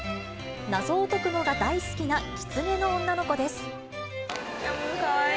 謎を解くのが大好きなキツネの女かわいい。